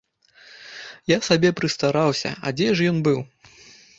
Я сабе прыстараўся, а дзе ж ён быў?